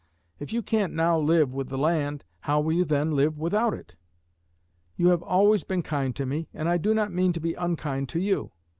If you can't now live with the land, how will you then live without it? You have always been kind to me, and I do not mean to be unkind to you.